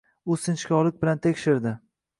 U sinchkovlik bilan tekshirdi.